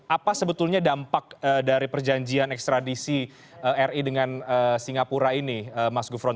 apa sebetulnya dampak dari perjanjian ekstradisi ri dengan singapura ini mas gufron